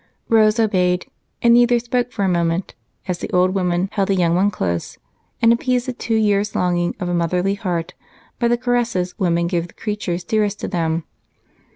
Rose obeyed, and neither spoke for a moment as the old woman held the young one close and appeased the two years' longing of a motherly heart by the caresses women give the creatures dearest to them.